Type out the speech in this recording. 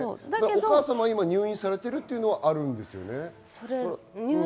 お母様は今、入院されているというのがあるんですよね。